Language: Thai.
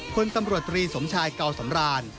คนตำรวจตรีสมชายเก่าสำราน